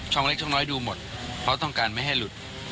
เล็กช่องน้อยดูหมดเพราะต้องการไม่ให้หลุด